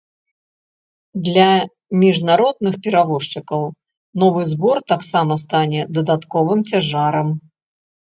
Для міжнародных перавозчыкаў новы збор таксама стане дадатковым цяжарам.